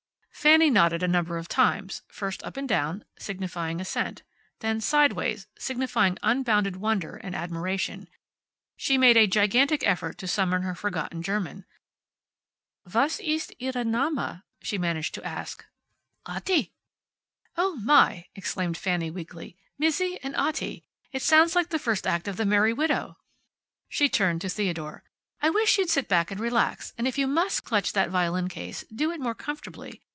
Fanny nodded a number of times, first up and down, signifying assent, then sideways, signifying unbounded wonder and admiration. She made a gigantic effort to summon her forgotten German. "Was ist Ihre Name?" she managed to ask. "Otti." "Oh, my!" exclaimed Fanny, weakly. "Mizzi and Otti. It sounds like the first act of the `Merry Widow.'" She turned to Theodore. "I wish you'd sit back, and relax, and if you must clutch that violin case, do it more comfortably.